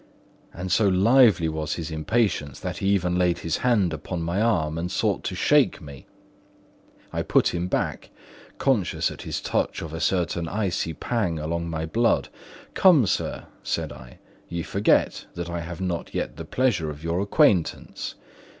And so lively was his impatience that he even laid his hand upon my arm and sought to shake me. I put him back, conscious at his touch of a certain icy pang along my blood. "Come, sir," said I. "You forget that I have not yet the pleasure of your acquaintance.